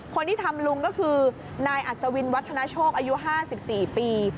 คนที่ทำลุงก็คือนายอัศวินวัฒนาโชคอายุ๕๔ปี